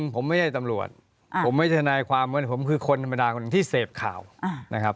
๑ผมไม่ใช่ตำรวจผมไม่ใช่ธนายความเมืองผมคือคนธรรมดาที่เสพข่าวนะครับ